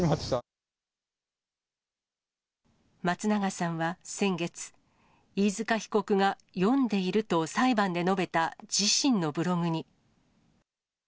松永さんは、先月、飯塚被告が、読んでいると裁判で述べた自身のブログに。